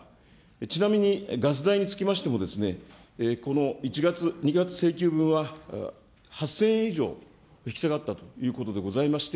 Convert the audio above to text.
ちなみにガス代につきましても、この１月、２月請求分は、８０００円以上引き下がったということでございまして、